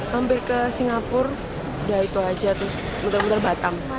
hampir ke singapura daito aja terus mudah mudahan batam